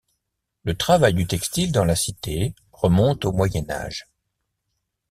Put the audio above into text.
Le travail du textile dans la cité remonte au Moyen Âge.